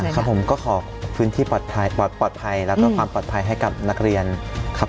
ครับผมก็ขอพื้นที่ปลอดภัยแล้วก็ความปลอดภัยให้กับนักเรียนครับ